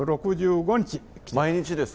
毎日ですか？